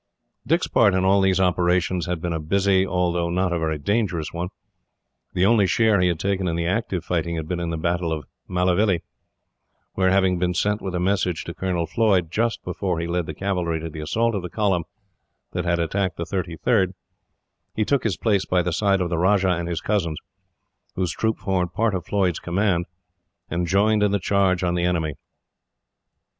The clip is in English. Dick's part in all these operations had been a busy, although not a very dangerous one. The only share he had taken in the active fighting had been in the battle at Malavilly, where, having been sent with a message to Colonel Floyd, just before he led the cavalry to the assault of the column that had attacked the 33rd, he took his place by the side of the Rajah and his cousins, whose troop formed part of Floyd's command, and joined in the charge on the enemy.